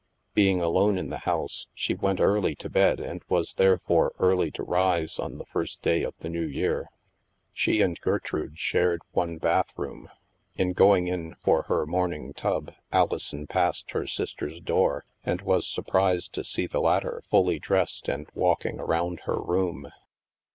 Being alone in the house, she went early to bed and was therefore early to rise on the first day of the New Year. She and Gertrude shared one bathroom ; in going for her morning tub, Alison passed her sister's door and was surprised to see the latter fully dressed and walking around her room.